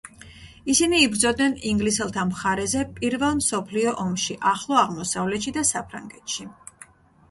ისინი იბრძოდნენ ინგლისელთა მხარეზე პირველ მსოფლიო ომში ახლო აღმოსავლეთში და საფრანგეთში.